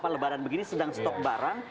lebaran begini sedang stok barang